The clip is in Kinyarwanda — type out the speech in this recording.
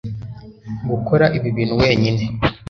gukora ibi bintu wenyine